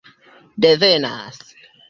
devenas